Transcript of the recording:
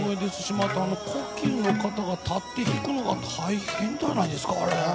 また、胡弓の方が立って弾くのが大変じゃないですか。